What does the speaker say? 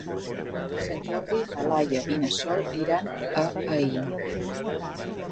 Per Sant Jordi na Laia i na Sol iran a Aín.